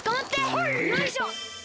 よいしょ！